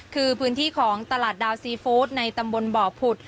คือพื้นที่ของตลาดดาวซีฟู้ดในตำบลบ่อผุด